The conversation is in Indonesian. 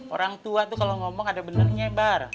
orang tua tuh kalau ngomong ada bener bener nyebar